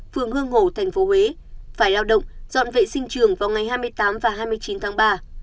phường hương ngổ tp huế phải lao động dọn vệ sinh trường vào ngày hai mươi tám và hai mươi chín tháng ba